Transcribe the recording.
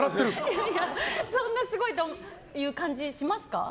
いやいや、そんなすごいという感じしますか？